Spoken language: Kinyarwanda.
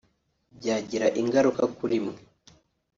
byagira ingaruka kuri mwe